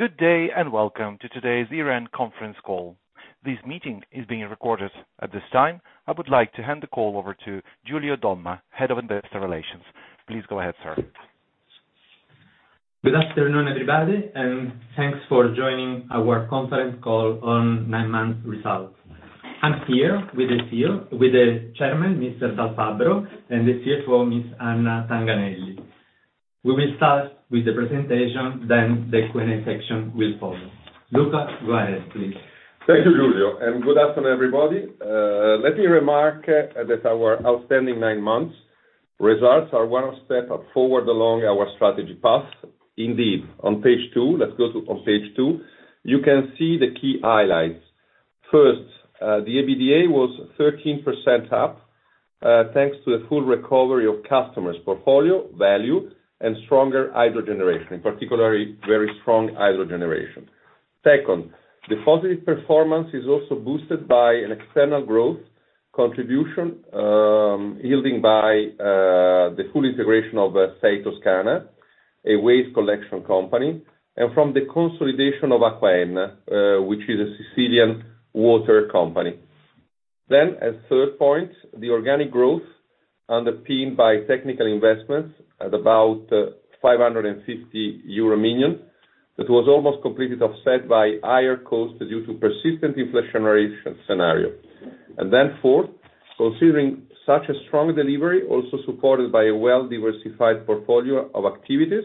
Good day, and welcome to today's Iren conference call. This meeting is being recorded. At this time, I would like to hand the call over to Giulio Domma, Head of Investor Relations. Please go ahead, sir. Good afternoon, everybody, and thanks for joining our conference call on nine months results. I'm here with the CEO... With the Chairman, Mr. Dal Fabbro, and the CFO, Ms. Anna Tanganelli. We will start with the presentation, then the Q&A section will follow. Luca, go ahead, please. Thank you, Giulio, and good afternoon, everybody. Let me remark that our outstanding nine months results are one step forward along our strategy path. Indeed, on page two, let's go to on page two, you can see the key highlights. First, the EBITDA was 13% up, thanks to the full recovery of customers portfolio, value, and stronger hydro generation, in particular, very strong hydro generation. Second, the positive performance is also boosted by an external growth contribution, yielding by the full integration of Sei Toscana, a waste collection company, and from the consolidation of AcquaEnna, which is a Sicilian water company. Then, as third point, the organic growth, underpinned by technical investments at about 550 million euro, that was almost completely offset by higher costs due to persistent inflationary scenario. Then fourth, considering such a strong delivery, also supported by a well-diversified portfolio of activities,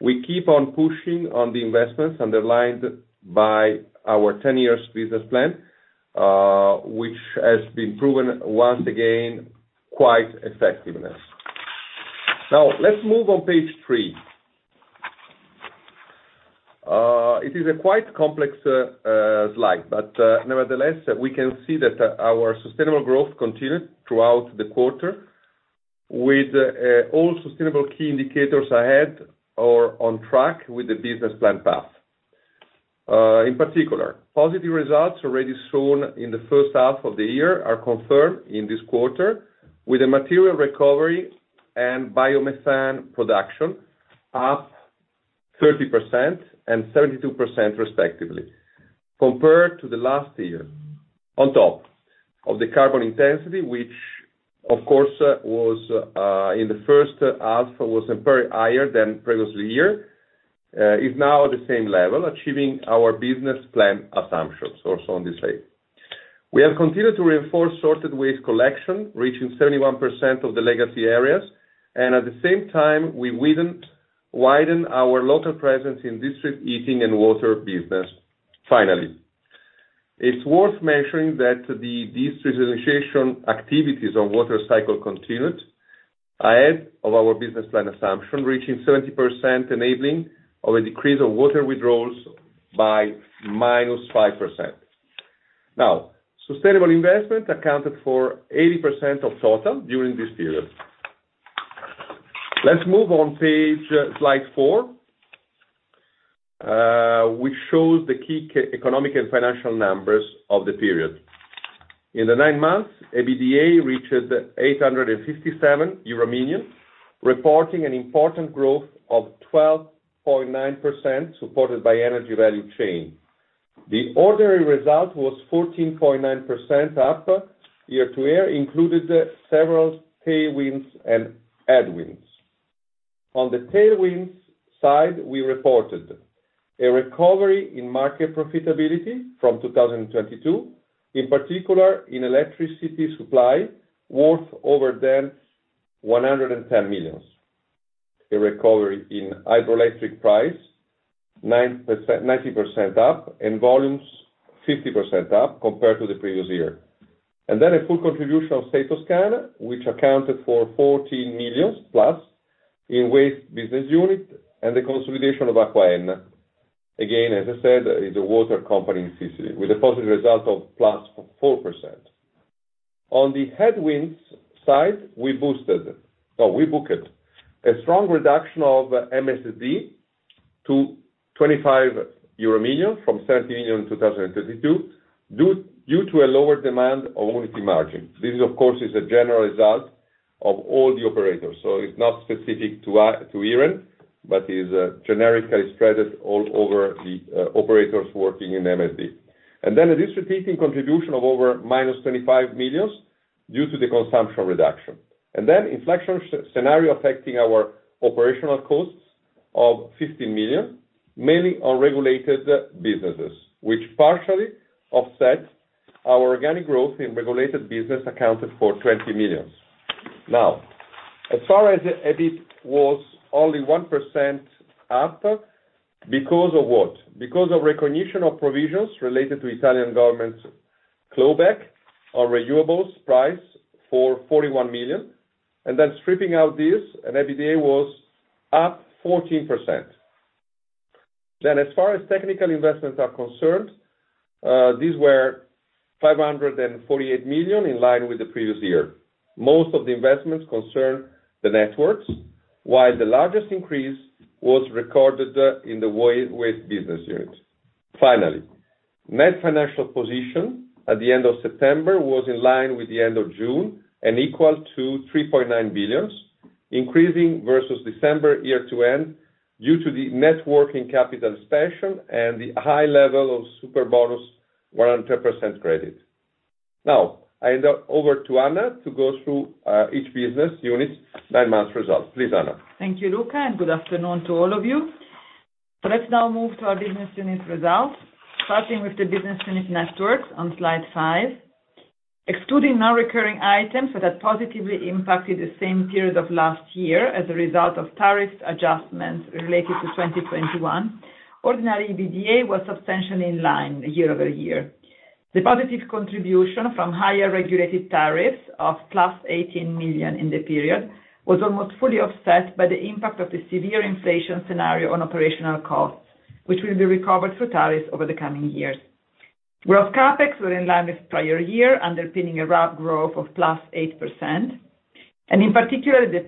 we keep on pushing on the investments underlined by our 10-year business plan, which has been proven once again, quite effective. Now, let's move on page three. It is a quite complex slide, but nevertheless, we can see that our sustainable growth continued throughout the quarter with all sustainable key indicators ahead or on track with the business plan path. In particular, positive results already shown in the first half of the year are confirmed in this quarter, with a material recovery and biomethane production up 30% and 72%, respectively. Compared to the last year, on top of the carbon intensity, which, of course, was, in the first half, was very higher than previous year, is now at the same level, achieving our business plan assumptions, also on this slide. We have continued to reinforce sorted waste collection, reaching 71% of the legacy areas, and at the same time, we widened our local presence in district heating and water business. Finally, it's worth mentioning that the districtization activities on water cycle continued, ahead of our business plan assumption, reaching 70%, enabling of a decrease of water withdrawals by -5%. Now, sustainable investment accounted for 80% of total during this period. Let's move on page slide four, which shows the key economic and financial numbers of the period. In the nine months, EBITDA reached 857 million euro, reporting an important growth of 12.9%, supported by energy value chain. The ordinary result was 14.9% up, year-to-year, included several tailwinds and headwinds. On the tailwinds side, we reported a recovery in market profitability from 2022, in particular, in electricity supply, worth over than 110 million. A recovery in hydroelectric price, 90% up, and volumes 50% up compared to the previous year. And then a full contribution of Sei Toscana, which accounted for 14 million plus in waste business unit and the consolidation of AcquaEnna. Again, as I said, is a water company in Sicily, with a positive result of +4%. On the headwinds side, we boosted. We booked a strong reduction of MSD to 25 million euro from 30 million in 2022, due to a lower demand on only the margin. This, of course, is a general result of all the operators, so it's not specific to Iren, but is generically spread all over the operators working in MSD. Then a district heating contribution of -25 million due to the consumption reduction. Then inflection scenario affecting our operational costs of 15 million, mainly on regulated businesses, which partially offset our organic growth in regulated business, accounted for 20 million. Now, as far as EBIT was only 1% up, because of what? Because of recognition of provisions related to Italian government's claw back on renewables price for 41 million, and then stripping out this, and EBITDA was up 14%. Then, as far as technical investments are concerned, these were 548 million, in line with the previous year. Most of the investments concern the networks, while the largest increase was recorded in the waste business units. Finally, net financial position at the end of September was in line with the end of June and equal to 3.9 billion, increasing versus December year-end, due to the net working capital expansion and the high level of Super Bonus 100% credit. Now, I hand over to Anna to go through each business unit's nine months results. Please, Anna. Thank you, Luca, and good afternoon to all of you. So let's now move to our business unit results, starting with the business unit networks on slide five. Excluding non-recurring items that positively impacted the same period of last year as a result of tariff adjustments related to 2021, ordinary EBITDA was substantially in line year-over-year. The positive contribution from higher regulated tariffs of +18 million in the period was almost fully offset by the impact of the severe inflation scenario on operational costs, which will be recovered through tariffs over the coming years. Whereas CapEx were in line with prior year, underpinning a rough growth of +8%, and in particular, the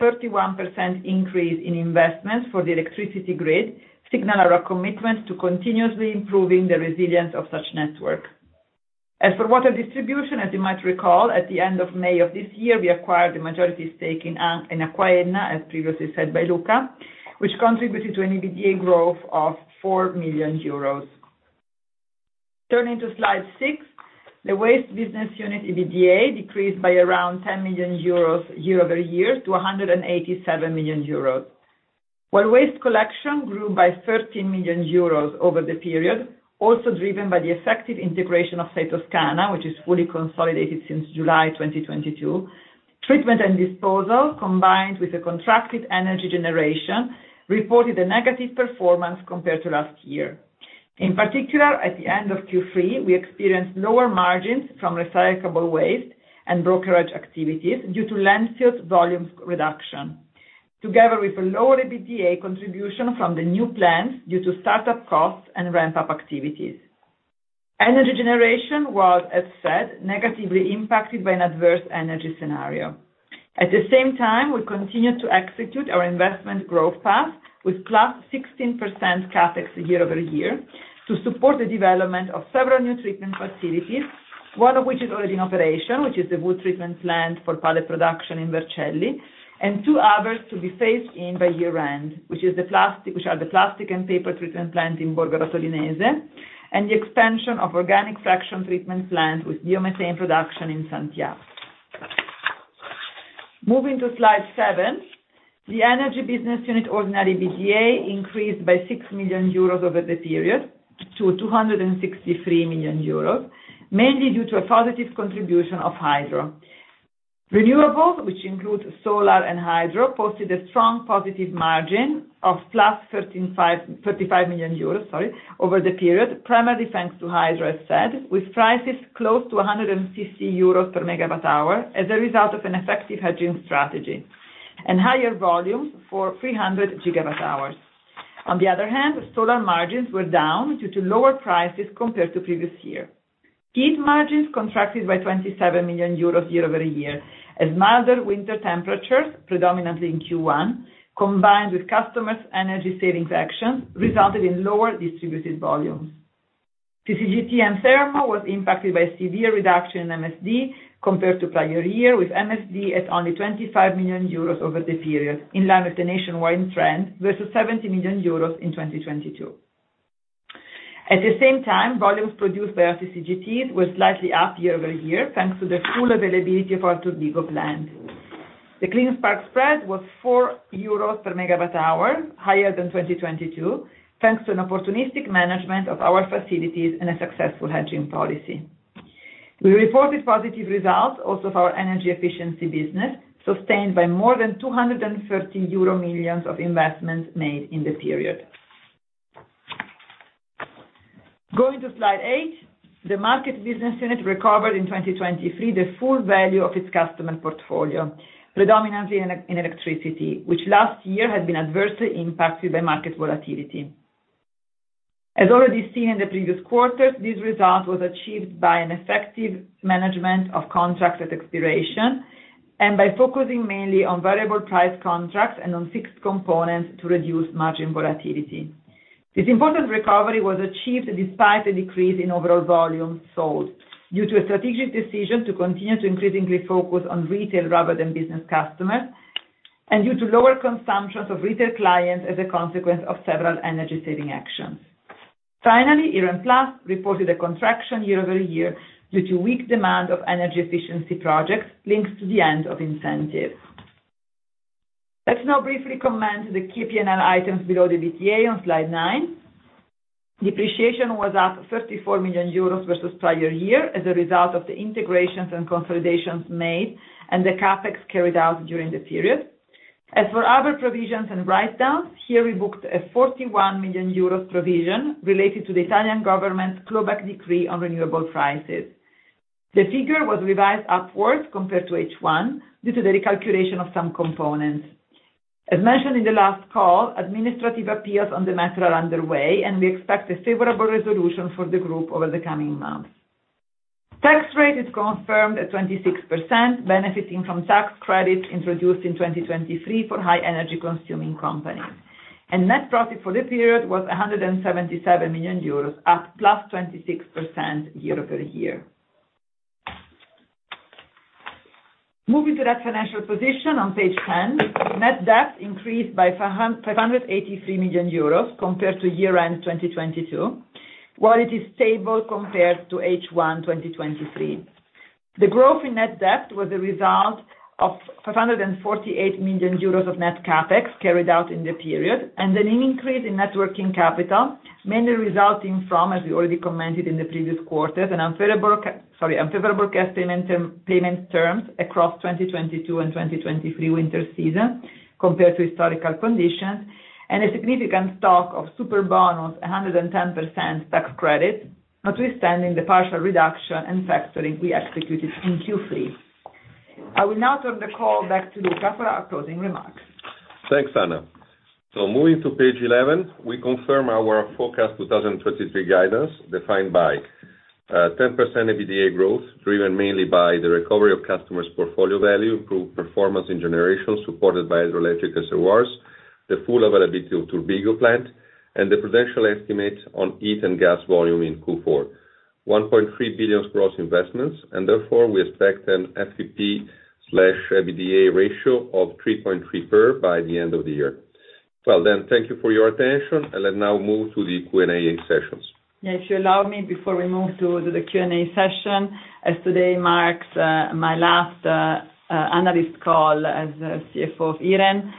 +31% increase in investments for the electricity grid signal our commitment to continuously improving the resilience of such network. As for water distribution, as you might recall, at the end of May of this year, we acquired a majority stake in AcquaEnna, as previously said by Luca, which contributed to an EBITDA growth of 4 million euros. Turning to slide six, the waste business unit, EBITDA, decreased by around 10 million euros year-over-year to 187 million euros. While waste collection grew by 13 million euros over the period, also driven by the effective integration of Sei Toscana, which is fully consolidated since July 2022. Treatment and disposal, combined with a contracted energy generation, reported a negative performance compared to last year. In particular, at the end of Q3, we experienced lower margins from recyclable waste and brokerage activities due to landfill volume reduction, together with a lower EBITDA contribution from the new plants due to startup costs and ramp-up activities. Energy generation was, as said, negatively impacted by an adverse energy scenario. At the same time, we continued to execute our investment growth path with +16% CapEx year-over-year to support the development of several new treatment facilities, one of which is already in operation, which is the wood treatment plant for pallet production in Vercelli, and two others to be phased in by year-end, which are the plastic and paper treatment plant in Borgo a Mozzano, and the expansion of organic fraction treatment plant with biomethane production in Santhià. Moving to slide seven, the energy business unit, ordinary EBITDA, increased by 6 million euros over the period to 263 million euros, mainly due to a positive contribution of hydro. Renewables, which includes solar and hydro, posted a strong positive margin of +135, 35 million euros, sorry, over the period, primarily thanks to hydro, as said, with prices close to 150 euros per MWh as a result of an effective hedging strategy and higher volumes for 300 GWh. On the other hand, solar margins were down due to lower prices compared to previous year. Heat margins contracted by 27 million euros year-over-year, as milder winter temperatures, predominantly in Q1, combined with customers' energy savings actions, resulted in lower distributed volumes. CCGT and thermal was impacted by a severe reduction in MSD compared to prior year, with MSD at only 25 million euros over the period, in line with the nationwide trend, versus 70 million euros in 2022. At the same time, volumes produced by our CCGTs were slightly up year-over-year, thanks to the full availability of our Turbigo plant. The clean spark spread was 4 euros per MWh, higher than 2022, thanks to an opportunistic management of our facilities and a successful hedging policy. We reported positive results also of our energy efficiency business, sustained by more than 230 million euro of investments made in the period. Going to slide eight, the market business unit recovered in 2023 the full value of its customer portfolio, predominantly in electricity, which last year had been adversely impacted by market volatility. As already seen in the previous quarters, this result was achieved by an effective management of contracted expiration and by focusing mainly on variable price contracts and on fixed components to reduce margin volatility. This important recovery was achieved despite a decrease in overall volumes sold, due to a strategic decision to continue to increasingly focus on retail rather than business customers, and due to lower consumptions of retail clients as a consequence of several energy-saving actions. Finally, Iren Plus reported a contraction year-over-year due to weak demand of energy efficiency projects linked to the end of incentive. Let's now briefly comment the P&L items below the EBITDA on slide nine. Depreciation was up 54 million euros versus prior year as a result of the integrations and consolidations made and the CapEx carried out during the period. As for other provisions and write-downs, here we booked a 41 million euros provision related to the Italian government claw back decree on renewable prices. The figure was revised upwards compared to H1, due to the recalculation of some components. As mentioned in the last call, administrative appeals on the matter are underway, and we expect a favorable resolution for the group over the coming months. Tax rate is confirmed at 26%, benefiting from tax credit introduced in 2023 for high energy consuming companies. Net profit for the period was 177 million euros, up +26% year-over-year. Moving to that financial position on page 10, net debt increased by 583 million euros compared to year-end 2022, while it is stable compared to H1 2023. The growth in net debt was a result of 548 million euros of net CapEx carried out in the period, and an increase in net working capital, mainly resulting from, as we already commented in the previous quarters, an unfavorable cash payment term, payment terms across 2022 and 2023 winter season compared to historical conditions, and a significant stock of Super Bonus 110% tax credit, notwithstanding the partial reduction and factoring we executed in Q3. I will now turn the call back to Luca for our closing remarks. Thanks, Anna. So moving to page 11, we confirm our forecast 2023 guidance, defined by 10% EBITDA growth, driven mainly by the recovery of customers portfolio value, improved performance in generations, supported by hydroelectric reservoirs, the full availability of Turbigo plant, and the potential estimates on heat and gas volume in Q4. 1.3 billion gross investments, and therefore we expect an NFP/EBITDA ratio of 3.3x by the end of the year. Well, then thank you for your attention, and let's now move to the Q&A sessions. Yeah, if you allow me, before we move to the Q&A session, as today marks my last analyst call as a CFO of Iren.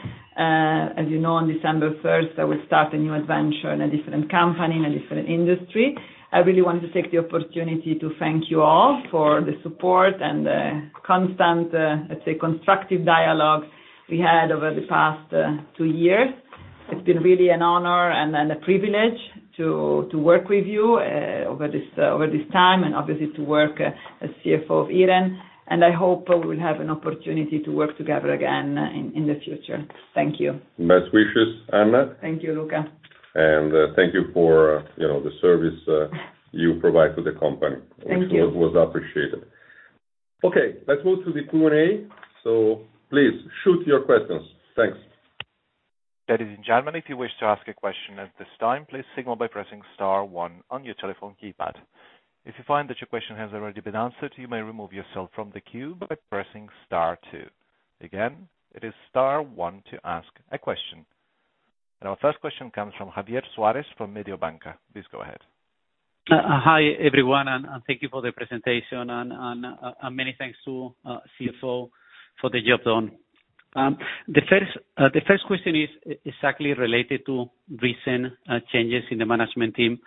As you know, on December first, I will start a new adventure in a different company, in a different industry. I really want to take the opportunity to thank you all for the support and constant, let's say, constructive dialogue we had over the past two years. It's been really an honor and a privilege to work with you over this time, and obviously to work as CFO of Iren. And I hope we will have an opportunity to work together again in the future. Thank you. Best wishes, Anna. Thank you, Luca. Thank you for, you know, the service you provide to the company. Thank you. It was appreciated. Okay, let's move to the Q&A. So please shoot your questions. Thanks. Ladies and gentlemen, if you wish to ask a question at this time, please signal by pressing star one on your telephone keypad. If you find that your question has already been answered, you may remove yourself from the queue by pressing star two. Again, it is star one to ask a question. Our first question comes from Javier Suárez from Mediobanca. Please go ahead. Hi, everyone, and thank you for the presentation, and many thanks to CFO for the job done. The first question is exactly related to recent changes in the management team.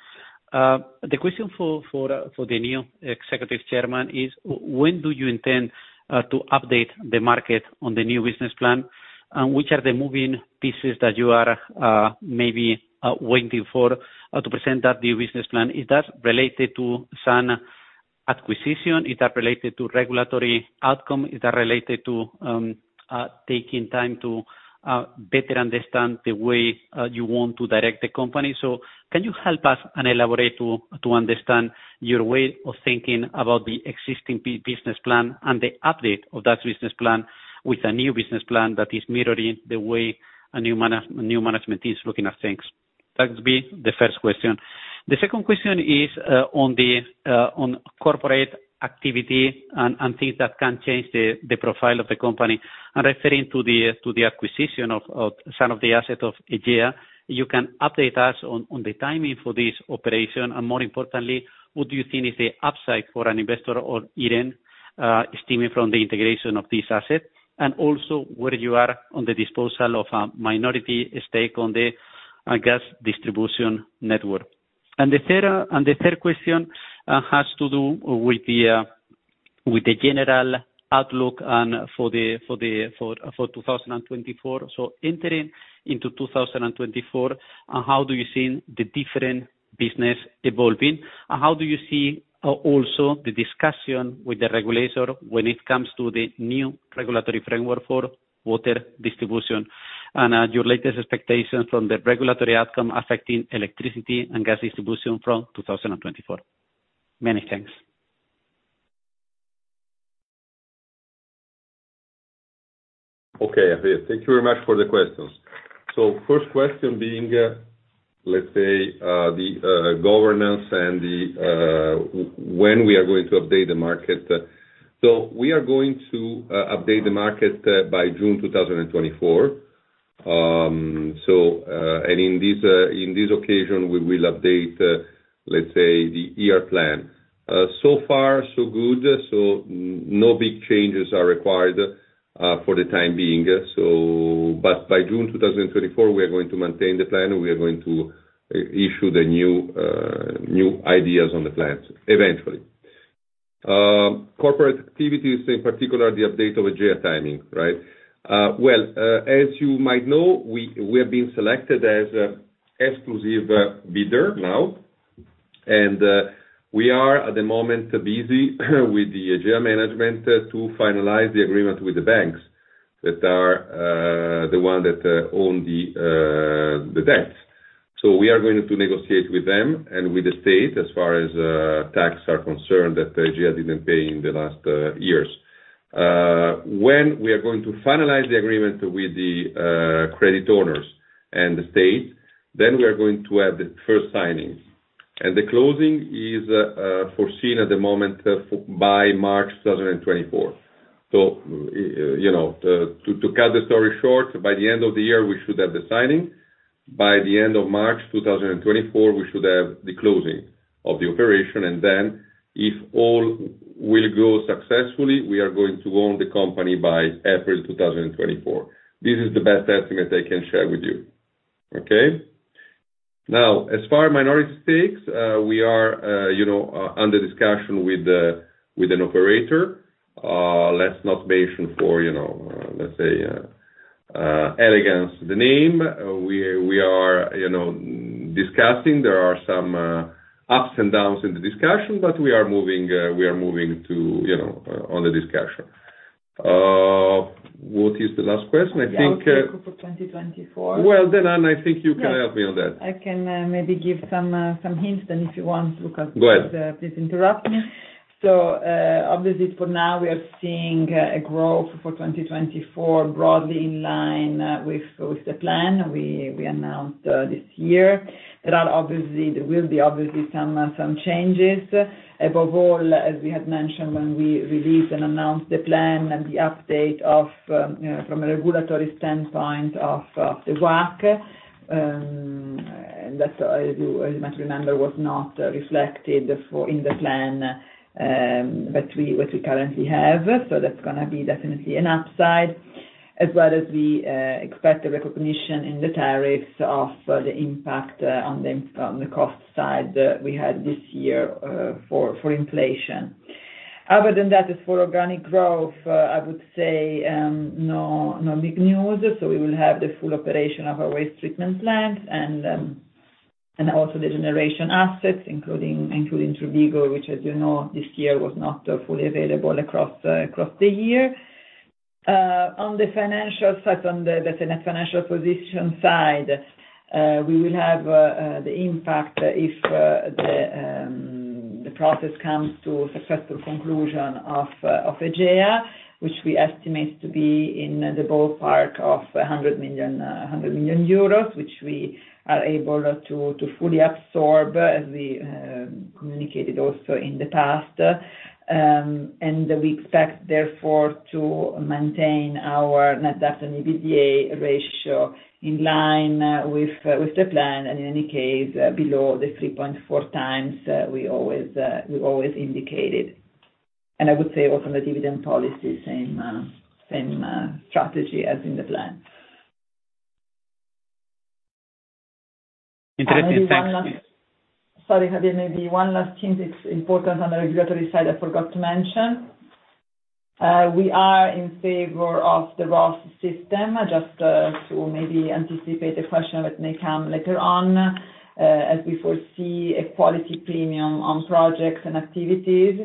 The question for the new Executive Chairman is when do you intend to update the market on the new business plan? And which are the moving pieces that you are maybe waiting for to present that new business plan? Is that related to some acquisition? Is that related to regulatory outcome? Is that related to taking time to better understand the way you want to direct the company? So can you help us and elaborate to understand your way of thinking about the existing business plan, and the update of that business plan with a new business plan that is mirroring the way a new management is looking at things? That would be the first question. The second question is on corporate activity and things that can change the profile of the company. I'm referring to the acquisition of some of the assets of Egea. You can update us on the timing for this operation, and more importantly, what do you think is the upside for an investor or Iren stemming from the integration of this asset? And also, where you are on the disposal of minority stake on the gas distribution network. The third question has to do with the general outlook on... for 2024. So entering into 2024, how do you see the different business evolving? How do you see also the discussion with the regulator when it comes to the new regulatory framework for water distribution? Your latest expectations from the regulatory outcome affecting electricity and gas distribution from 2024. Many thanks. Okay, Javier, thank you very much for the questions. So first question being, let's say, the governance and the when we are going to update the market. So we are going to update the market by June 2024. And in this occasion, we will update, let's say, the year plan. So far, so good, so no big changes are required for the time being. So but by June 2024, we are going to maintain the plan. We are going to issue the new new ideas on the plan, eventually. Corporate activities, in particular, the update of Egea timing, right? Well, as you might know, we have been selected as exclusive bidder now, and we are at the moment busy with the Egea management to finalize the agreement with the banks that are the one that own the debts. So we are going to negotiate with them and with the state as far as tax are concerned, that Egea didn't pay in the last years. When we are going to finalize the agreement with the credit owners and the state, then we are going to have the first signings. The closing is foreseen at the moment by March 2024. So, you know, to cut the story short, by the end of the year, we should have the signing. By the end of March 2024, we should have the closing of the operation, and then if all will go successfully, we are going to own the company by April 2024. This is the best estimate I can share with you. Okay? Now, as far as minority stakes, we are, you know, under discussion with, with an operator. Let's not mention for, you know, let's say, elegance, the name. We, we are, you know, discussing. There are some ups and downs in the discussion, but we are moving, we are moving to, you know, on the discussion. What is the last question? I think. Outlook for 2024. Well, then, Anna, I think you can help me on that. I can, maybe give some, some hints then, if you want, because. Go ahead. Please interrupt me. So, obviously, for now, we are seeing a growth for 2024, broadly in line with the plan we announced this year. There will be obviously some changes. Above all, as we had mentioned when we released and announced the plan and the update from a regulatory standpoint of the WACC, that you might remember, was not reflected in the plan that we currently have. So that's gonna be definitely an upside, as well as we expect a recognition in the tariffs of the impact on the cost side we had this year for inflation. Other than that, as for organic growth, I would say no big news. So we will have the full operation of our waste treatment plant and and also the generation assets, including Turbigo, which, as you know, this year was not fully available across across the year. On the financial side, on the the net financial position side, we will have the impact if the the process comes to successful conclusion of of Egea, which we estimate to be in the ballpark of a hundred million hundred million euros, which we are able to to fully absorb, as we communicated also in the past. And we expect, therefore, to maintain our net debt and EBITDA ratio in line with with the plan, and in any case below the 3.4 times we always we always indicated. I would say also on the dividend policy, same, same, strategy as in the plan. Interesting, thanks- Sorry, Javier, maybe one last thing that's important on the regulatory side, I forgot to mention. We are in favor of the ROS system, just to maybe anticipate the question that may come later on, as we foresee a quality premium on projects and activities,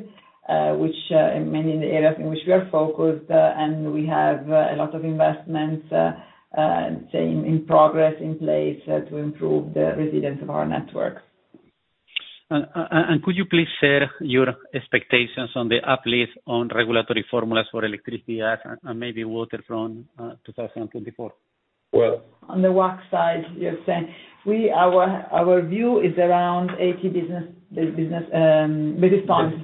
which many in the areas in which we are focused, and we have a lot of investments, say, in progress in place, to improve the resilience of our network. Could you please share your expectations on the uplift on regulatory formulas for electricity and maybe water from 2024? Well- On the WACC side, you're saying, our view is around 80 basis points.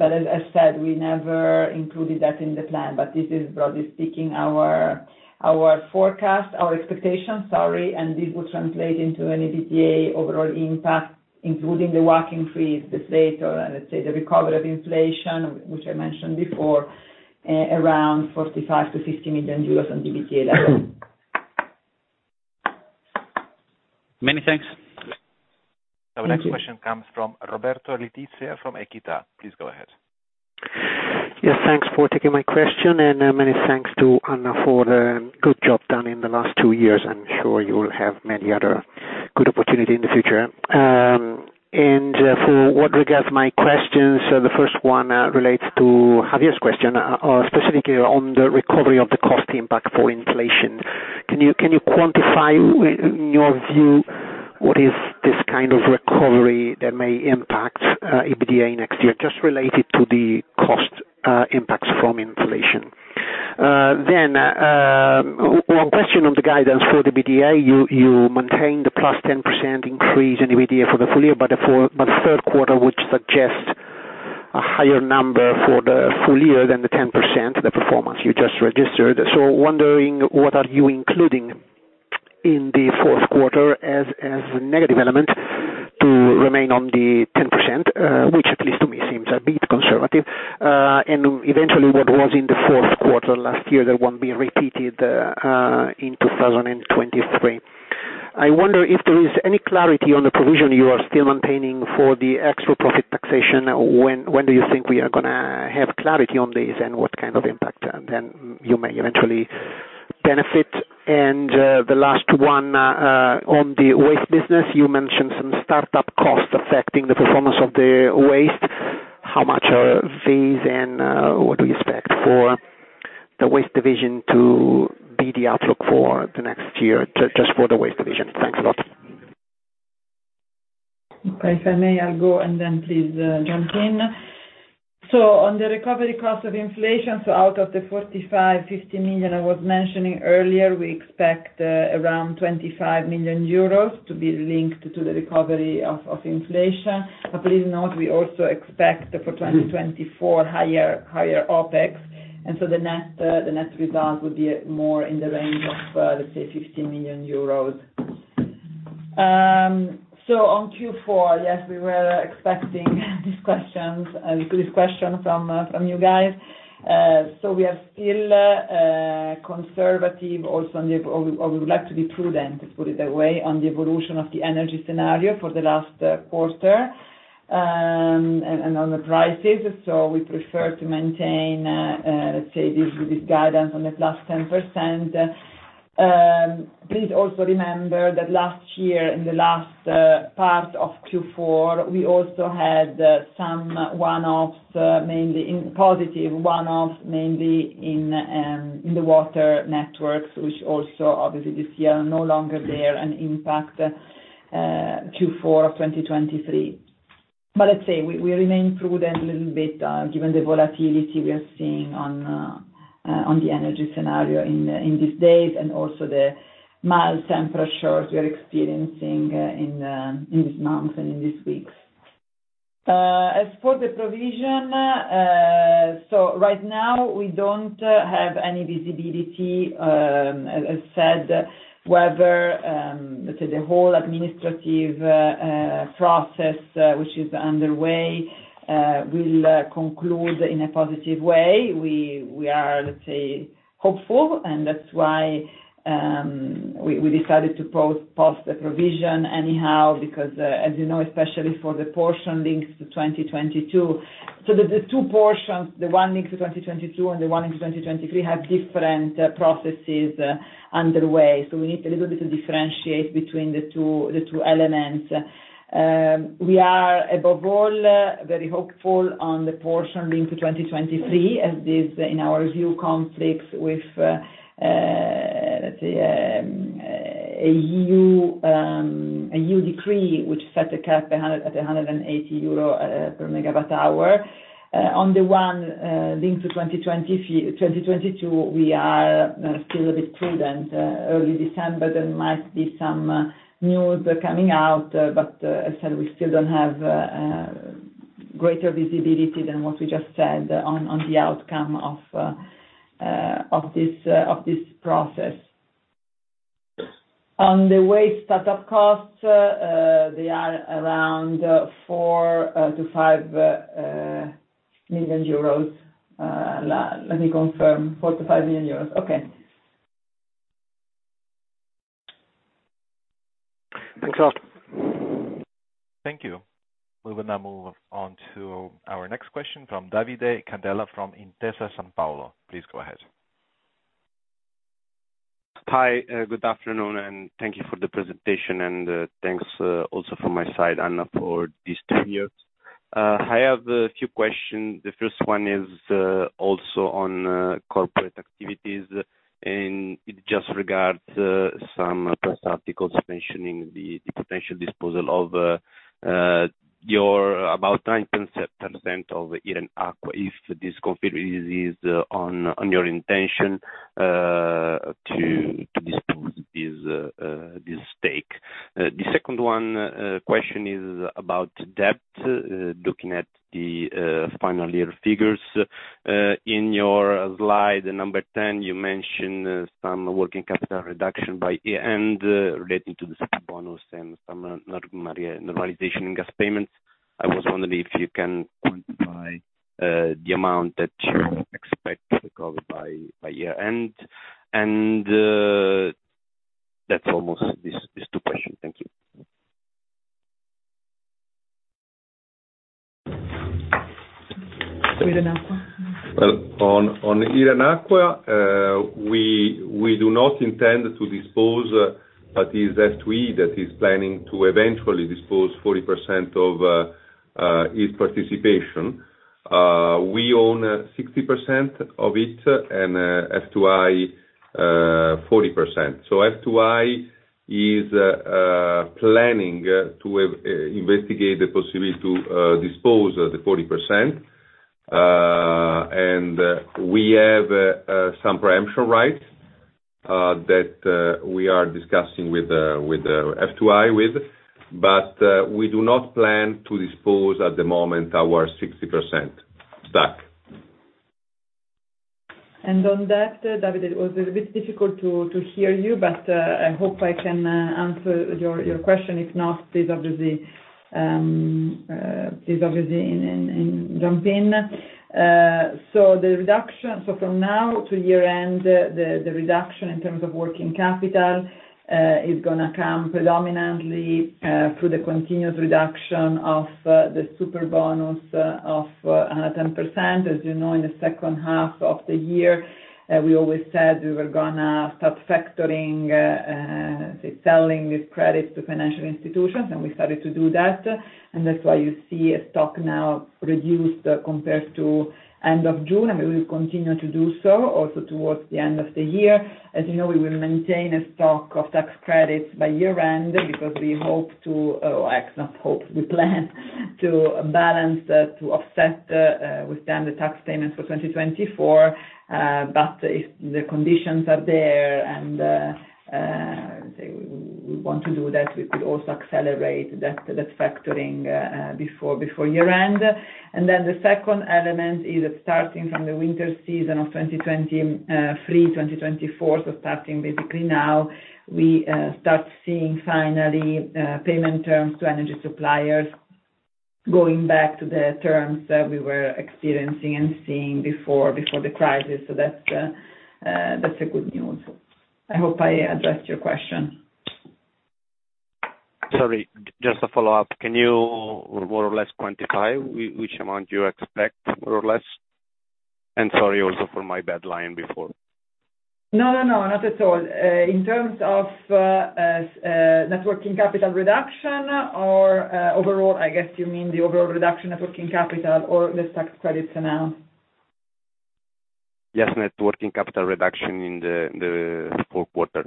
But as I said, we never included that in the plan, but this is, broadly speaking, our forecast, our expectation, and this will translate into an EBDA overall impact, including the WACC increase, the state, or let's say, the recovery of inflation, which I mentioned before, around 45 million-50 million euros on EBITDA. Many thanks. Our next question comes from Roberto Letizia from Equita. Please go ahead. Yes, thanks for taking my question, and, many thanks to Anna for the good job done in the last two years. I'm sure you will have many other good opportunity in the future. And, so what regards my questions, the first one relates to Javier's question, specifically on the recovery of the cost impact for inflation. Can you, can you quantify, in your view, what is this kind of recovery that may impact EBITDA next year, just related to the cost impacts from inflation? Then, one question on the guidance for the EBITDA, you, you maintain the +10% increase in EBITDA for the full year, but the four... but third quarter, which suggests a higher number for the full year than the 10%, the performance you just registered. Wondering, what are you including in the fourth quarter as a negative element to remain on the 10%, which at least to me, seems a bit conservative, and eventually, what was in the fourth quarter last year that won't be repeated in 2023? I wonder if there is any clarity on the provision you are still maintaining for the extra profit taxation. When do you think we are gonna have clarity on this, and what kind of impact then you may eventually benefit? The last one, on the waste business, you mentioned some start-up costs affecting the performance of the waste. How much are these and what do you expect for the waste division to be the outlook for the next year, just for the waste division? Thanks a lot. Okay. If I may, I'll go and then please, jump in. So on the recovery cost of inflation, so out of the 45-50 million I was mentioning earlier, we expect, around 25 million euros to be linked to the recovery of, of inflation. But please note, we also expect for 2024, higher, higher OpEx, and so the net, the net result would be more in the range of, let's say, 15 million euros. So on Q4, yes, we were expecting these questions, this question from, from you guys. So we are still, conservative also on the evolution of the energy scenario for the last, quarter, and, and on the prices. So we prefer to maintain, let's say, this guidance on the +10%. Please also remember that last year, in the last part of Q4, we also had some one-offs, mainly in positive one-offs, mainly in the water networks, which also obviously this year are no longer there and impact Q4 of 2023. But let's say we remain prudent a little bit, given the volatility we are seeing on the energy scenario in these days, and also the mild temperatures we are experiencing in these months and in these weeks. As for the provision, so right now we don't have any visibility, as said, whether, let's say the whole administrative process, which is underway, will conclude in a positive way. We are, let's say, hopeful, and that's why, we decided to post-post the provision anyhow, because, as you know, especially for the portion links to 2022. So the two portions, the one linked to 2022, and the one in 2023, have different processes underway, so we need a little bit to differentiate between the two, the two elements. We are, above all, very hopeful on the portion linked to 2023, as this, in our view, conflicts with, let's say, an EU decree, which set a cap at 180 euro per MWh. On the one linked to 2022, we are still a bit prudent. Early December, there might be some news coming out, but, as said, we still don't have greater visibility than what we just said on the outcome of this process. On the waste start-up costs, they are around 4-5 million euros. Let me confirm. 4-5 million EUR. Okay. Thanks a lot. Thank you. We will now move on to our next question from Davide Candela, from Intesa Sanpaolo. Please go ahead. Hi, good afternoon, and thank you for the presentation, and, thanks, also from my side, Anna, for these 10 years. I have a few questions. The first one is, also on, corporate activities, and it just regards, some press articles mentioning the potential disposal of, your about 9% of Iren Acqua, if this configures on, on your intention, to dispose this stake. The second one, question is about debt. Looking at the final year figures, in your slide number 10, you mentioned, some working capital reduction by year-end, relating to the bonus and some normalization in gas payments. I was wondering if you can quantify, the amount that you expect to recover by year-end, and, that's almost these two questions. Thank you. Iren Aqua? Well, on Iren Acqua, we do not intend to dispose, but it is F2i that is planning to eventually dispose 40% of its participation. We own 60% of it, and F2i 40%. So F2i is planning to investigate the possibility to dispose of the 40%. And we have some preemption rights that we are discussing with F2i, but we do not plan to dispose at the moment our 60% stake. On that, Davide, it was a bit difficult to hear you, but I hope I can answer your question. If not, please obviously jump in. So the reduction from now to year end in terms of working capital is gonna come predominantly through the continuous reduction of the Super Bonus of 110%. As you know, in the second half of the year, we always said we were gonna start factoring, say, selling these credits to financial institutions, and we started to do that. And that's why you see a stock now reduced compared to end of June, and we will continue to do so also towards the end of the year. As you know, we will maintain a stock of tax credits by year-end because we hope to, well, actually not hope, we plan to balance, to offset, withstand the tax payments for 2024. But if the conditions are there and, say, we want to do that, we could also accelerate that, that factoring, before, before year-end. And then the second element is that starting from the winter season of 2023-2024, so starting basically now, we start seeing finally, payment terms to energy suppliers going back to the terms that we were experiencing and seeing before, before the crisis. So that's, that's good news. I hope I addressed your question. Sorry, just a follow-up. Can you more or less quantify which amount you expect, more or less? Sorry also for my bad line before. No, no, no, not at all. In terms of, net working capital reduction or, overall, I guess you mean the overall reduction net working capital or the tax credits amount? Yes, net working capital reduction in the fourth quarter.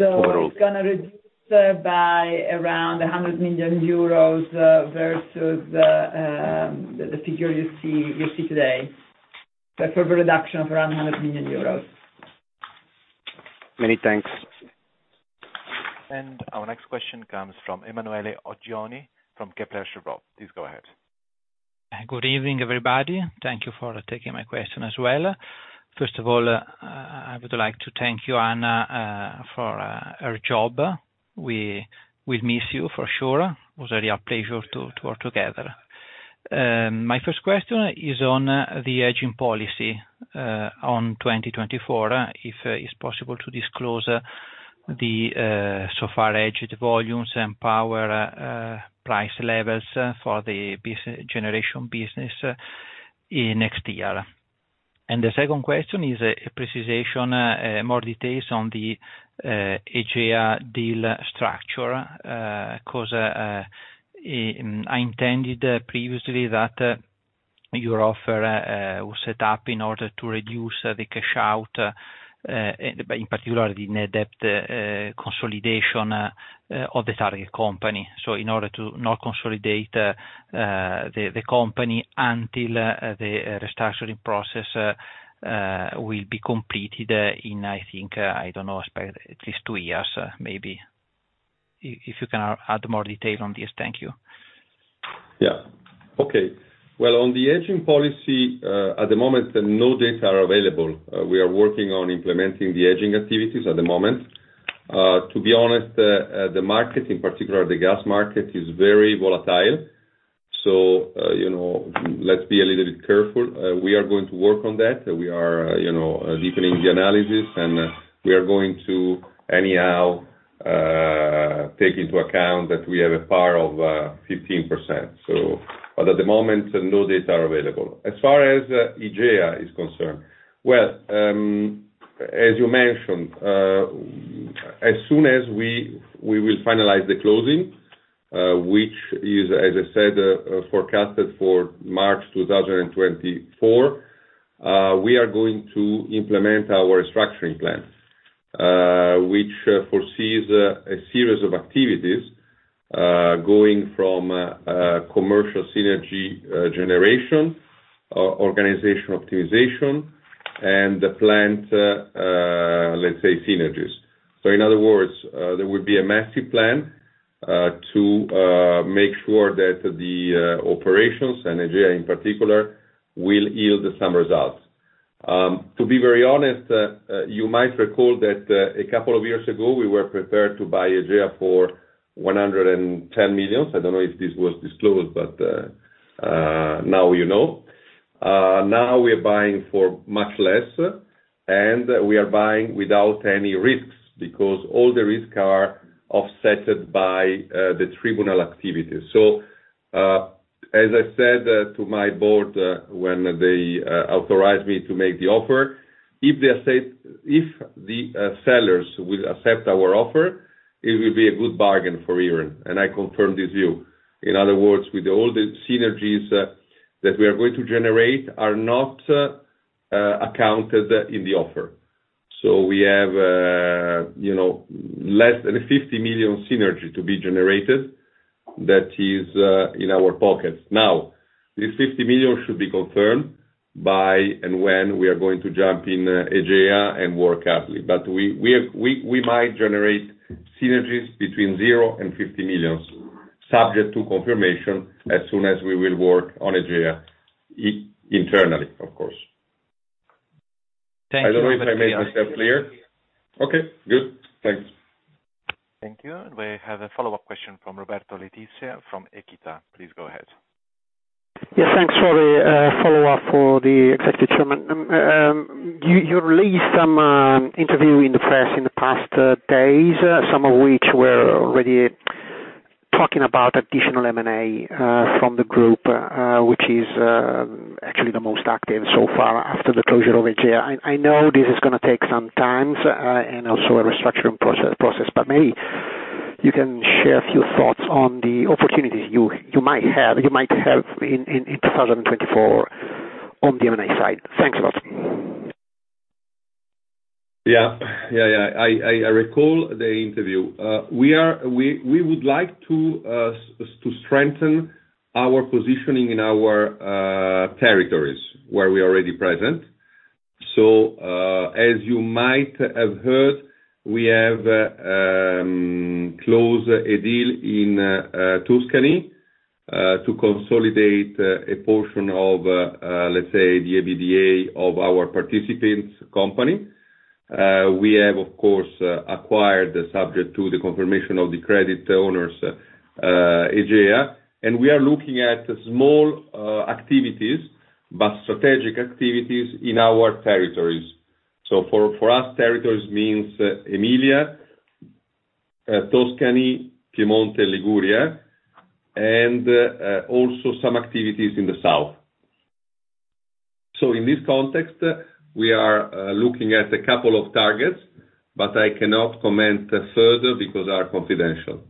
Overall. So it's gonna reduce by around 100 million euros versus the figure you see today. So for a reduction of around 100 million euros. Many thanks. Our next question comes from Emanuele Oggioni, from Kepler Cheuvreux. Please go ahead. Good evening, everybody. Thank you for taking my question as well. First of all, I would like to thank you, Anna, for her job. We miss you for sure. It was really a pleasure to work together. My first question is on the hedging policy on 2024. If it's possible to disclose the so far hedged volumes and power price levels for the generation business in next year. And the second question is a precision, more details on the Egea deal structure, 'cause I intended previously that your offer was set up in order to reduce the cash out, in particular, the net debt consolidation of the target company. So in order to not consolidate the company until the restructuring process will be completed, in I think I don't know at least two years, maybe. If you can add more detail on this. Thank you. Yeah. Okay. Well, on the hedging policy, at the moment, no dates are available. We are working on implementing the hedging activities at the moment. To be honest, the market, in particular, the gas market, is very volatile. So, you know, let's be a little bit careful. We are going to work on that. We are, you know, deepening the analysis, and we are going to anyhow, take into account that we have a power of, 15%. So, but at the moment, no data are available. As far as Egea is concerned, well, as you mentioned, as soon as we will finalize the closing, which is, as I said, forecasted for March 2024, we are going to implement our restructuring plan, which foresees a series of activities, going from a commercial synergy generation, organization optimization, and the plant, let's say, synergies. So in other words, there would be a massive plan to make sure that the operations and Egea, in particular, will yield some results. To be very honest, you might recall that a couple of years ago, we were prepared to buy Egea for 110 million. I don't know if this was disclosed, but now you know. Now we are buying for much less, and we are buying without any risks, because all the risk are offset by the tribunal activities. So, as I said, to my board, when they authorized me to make the offer, if the sellers will accept our offer, it will be a good bargain for Iren, and I confirm this view. In other words, with all the synergies that we are going to generate are not accounted in the offer. So we have, you know, less than 50 million synergy to be generated. That is in our pockets. Now, this 50 million should be confirmed by and when we are going to jump in Egea and work hardly. But we might generate synergies between 0 and 50 million, subject to confirmation as soon as we will work on Egea internally, of course. I don't know if I made myself clear? Okay, good. Thanks. Thank you. We have a follow-up question from Roberto Letizia from Equita. Please go ahead. Yes, thanks for the follow-up for the executive chairman. You released some interview in the press in the past days, some of which were already talking about additional M&A from the group, which is actually the most active so far after the closure of Egea. I know this is going to take some time, and also a restructuring process, but maybe you can share a few thoughts on the opportunities you might have in 2024 on the M&A side. Thanks a lot. Yeah. Yeah, yeah. I recall the interview. We would like to strengthen our positioning in our territories where we are already present. So, as you might have heard, we have closed a deal in Tuscany to consolidate a portion of, let's say, the EBITDA of our participants company. We have, of course, acquired the subject to the confirmation of the creditors, Egea, and we are looking at small activities, but strategic activities in our territories. So for us, territories means Emilia, Tuscany, Piedmont, Liguria, and also some activities in the South. So in this context, we are looking at a couple of targets, but I cannot comment further because they are confidential.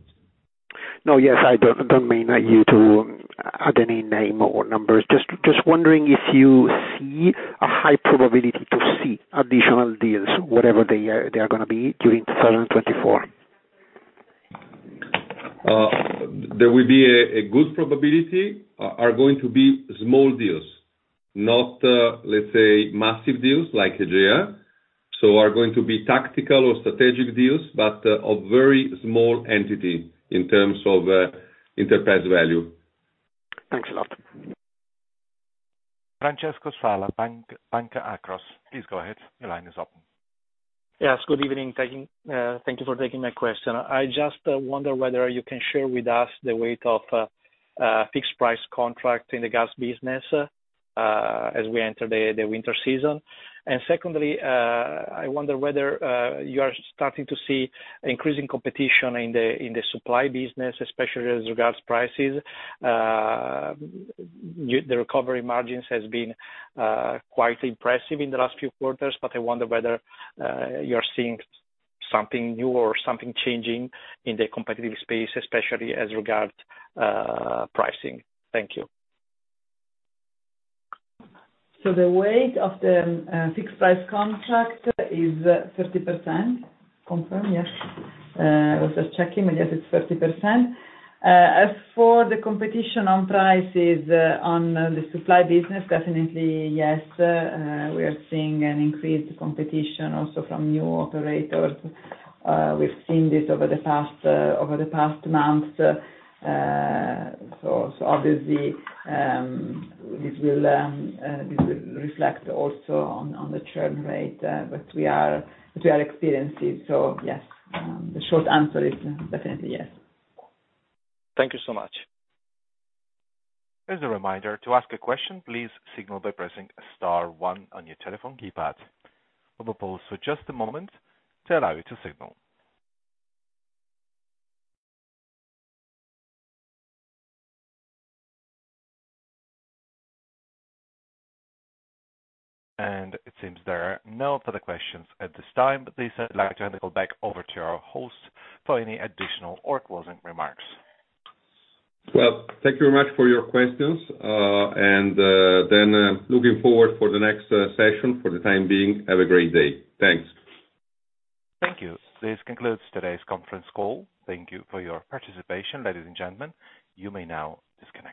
No, yes, I don't mean you to add any name or numbers. Just wondering if you see a high probability to see additional deals, whatever they are, they are gonna be, during 2024. There will be a good probability are going to be small deals, not, let's say, massive deals like Egea. So are going to be tactical or strategic deals, but a very small entity in terms of enterprise value. Thanks a lot. Francesco Sala, Bank, Banca Akros. Please go ahead. The line is open. Yes, good evening. Thank you for taking my question. I just wonder whether you can share with us the weight of fixed price contract in the gas business as we enter the winter season. And secondly, I wonder whether you are starting to see increasing competition in the supply business, especially as regards prices. The recovery margins has been quite impressive in the last few quarters, but I wonder whether you're seeing something new or something changing in the competitive space, especially as regards pricing. Thank you. So the weight of the fixed price contract is 30%. Confirm, yes? I was just checking, and yes, it's 30%. As for the competition on prices, on the supply business, definitely, yes, we are seeing an increased competition also from new operators. We've seen this over the past, over the past months. So obviously, this will reflect also on the churn rate, but we are experiencing. So yes, the short answer is definitely yes. Thank you so much. As a reminder, to ask a question, please signal by pressing star one on your telephone keypad. We will pause for just a moment to allow you to signal. It seems there are no further questions at this time, but please let me turn the call back over to our host for any additional or closing remarks. Well, thank you very much for your questions, and then looking forward for the next session. For the time being, have a great day. Thanks. Thank you. This concludes today's conference call. Thank you for your participation, ladies and gentlemen. You may now disconnect.